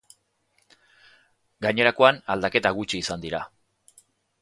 Gainerakoan, aldaketa gutxi izan dira.